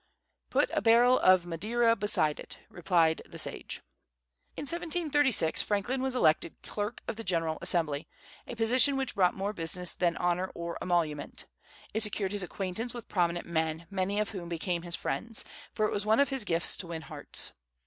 "Put a barrel of Madeira beside it," replied the sage. In 1736 Franklin was elected clerk of the General Assembly, a position which brought more business than honor or emolument. It secured his acquaintance with prominent men, many of whom became his friends; for it was one of his gifts to win hearts.